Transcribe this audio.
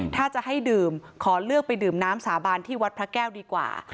ถ้าจะให้ดื่มขอเลือกไปดื่มน้ำสาบานที่วัดพระแก้วดีกว่า